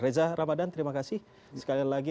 reza ramadan terima kasih sekali lagi